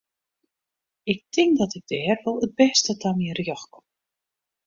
Ik tink dat ik dêr wol it bêste ta myn rjocht kom.